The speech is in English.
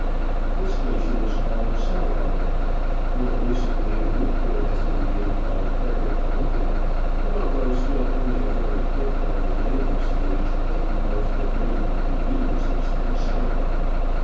This station is called Salgar. More recently a new port has been made, called Puerto Colombia, and, although still only a very temporary landing stage, it can boast of many more conveniences than Salgar.